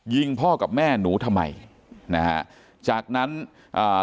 ยิงพ่อกับแม่หนูทำไมนะฮะจากนั้นอ่า